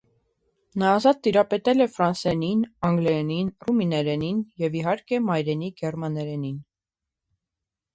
Նա ազատ տիրապետել է ֆրանսերենին, անգլերենին, ռումիներենին և իհարկե, մայրենի գերմաներենին։